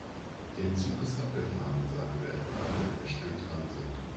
Der Zug ist abgefahren, sagen wir etwa, wenn wir spät dran sind.